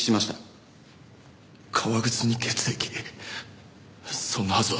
革靴に血液そんなはずは。